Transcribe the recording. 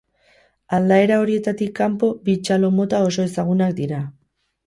Aldaera horietatik kanpo, bi txalo-mota oso ezagunak dira.